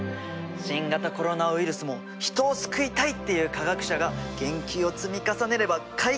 新型コロナウイルスも人を救いたいっていう科学者が研究を積み重ねれば解決できる気がするよ。